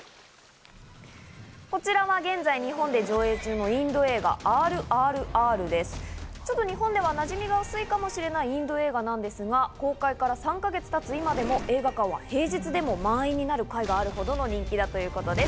こちらは現在、日本で上映中のインド映画『ＲＲＲ』です。ちょっと日本ではなじみが薄いかもしれないインド映画なんですが、公開から３か月たつ今でも映画館は平日でも満員になる回があるほどの人気だということです。